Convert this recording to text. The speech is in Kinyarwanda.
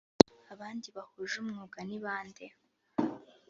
abandi bahuje umwuga nibande